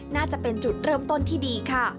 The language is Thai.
น่าจะเป็นจุดเริ่มต้นที่ดีค่ะ